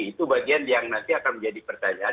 itu bagian yang nanti akan menjadi pertanyaan